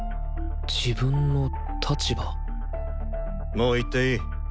もう行っていい。